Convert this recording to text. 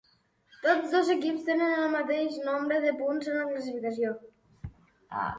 Tots dos equips tenen el mateix nombre de punts en la classificació.